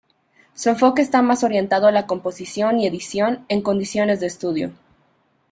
Su enfoque está más orientado a la composición y edición en condiciones de estudio.